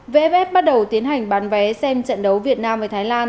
vff bắt đầu tiến hành bán vé xem trận đấu việt nam với thái lan